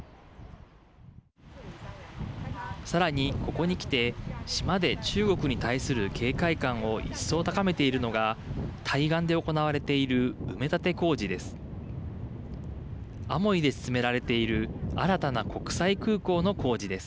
さらに、ここにきて島で中国に対する警戒感を一層、高めているのが対岸で行われている埋め立て工事です。